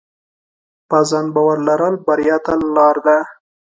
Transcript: په ځان باور لرل بریا ته لار ده.